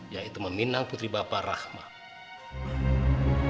yaitu meminang putri bapak rahmat